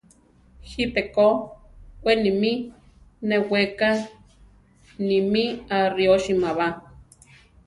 Jipe ko we nimí neweká nimí ariósima ba.